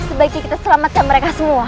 sebaiknya kita selamatkan mereka semua